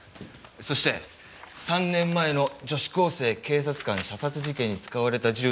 そして３年前の女子高生・警察官射殺事件に使われた銃とも一致しました。